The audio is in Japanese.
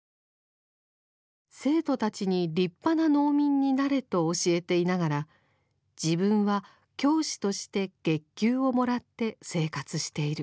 生徒たちに立派な農民になれと教えていながら自分は教師として月給をもらって生活している。